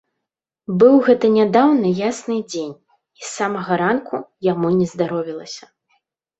Быў гэта нядаўна ясны дзень, і з самага ранку яму нездаровілася.